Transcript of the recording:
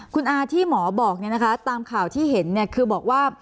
คุณอ่าที่หมอบอกเนี่ยนะคะตามข่าวที่เห็นเนี่ยคือบอกว่า